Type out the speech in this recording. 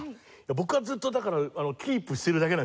僕はずっとだからキープしてるだけなんですよ。